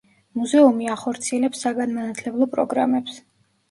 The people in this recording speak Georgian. მუზეუმი ახორციელებს საგანმანათლებლო პროგრამებს.